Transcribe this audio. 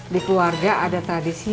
di keluarga ada tradisi